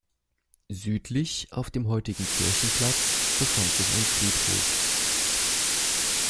Südlich auf dem heutigen Kirchenplatz befand sich ein Friedhof.